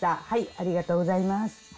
ありがとうございます。